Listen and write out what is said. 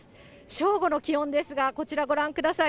正午の気温ですが、こちらご覧ください。